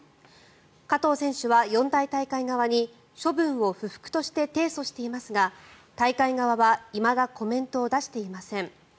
加藤選手は四大大会側に処分を不服として提訴していますが大会側はいまだコメントを出していません。